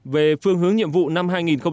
về phương hướng nhiệm vụ năm hai nghìn một mươi tám